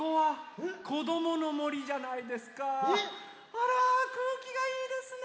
あらくうきがいいですね。